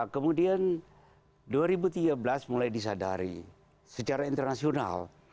kemudian dua ribu tiga belas mulai disadari secara internasional